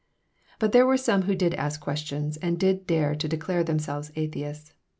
But there were some who did ask questions and did dare to declare themselves atheists.